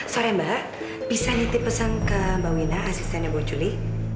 sore mbak bisa nitip pesan ke mbak wina asistennya bu juli